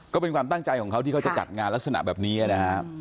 ก็เป็นความตั้งใจของเขาที่เขาจะจัดงานลักษณะแบบนี้นะฮะ